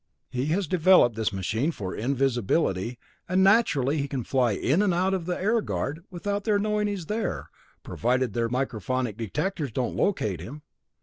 "He has developed this machine for invisibility, and naturally he can fly in and out of the air guard, without their knowing he's there, provided their microphonic detectors don't locate him.